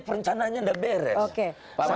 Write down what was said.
perencanaannya udah beres